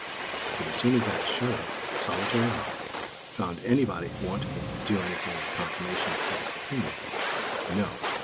But, as soon as that shut up, solitary mind found anybody wanting it to do anything in confirmation of public opinion, no!